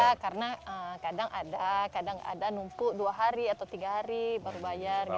ya karena kadang ada kadang ada numpuk dua hari atau tiga hari baru bayar gitu